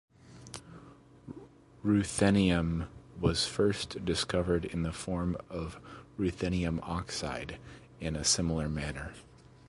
Ruthenium was first discovered in the form of ruthenium oxide in a similar manner.